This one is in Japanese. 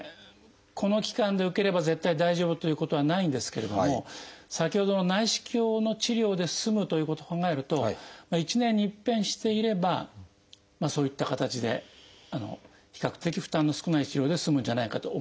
この期間で受ければ絶対大丈夫ということはないんですけれども先ほどの内視鏡の治療で済むということを考えると１年にいっぺんしていればそういった形で比較的負担の少ない治療で済むんじゃないかと思います。